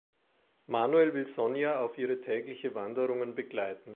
Manuel will Sonia auf ihre tägliche Wanderungen begleiten.